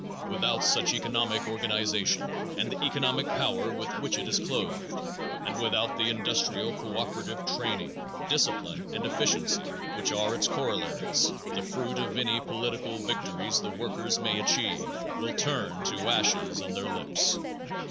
Without such economic organization and the economic power with which it is clothed, and without the industrial co operative training, discipline and efficiency which are its corollaries, the fruit of any political victories the workers may achieve will turn to ashes on their lips.